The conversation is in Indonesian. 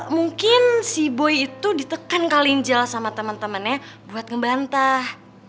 mungkin si boy itu ditekan kalinjal sama temen temennya buat ngebantah